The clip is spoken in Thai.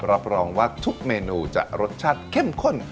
รับรองว่าทุกเมนูจะรสชาติเข้มข้น